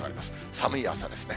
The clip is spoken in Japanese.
寒い朝ですね。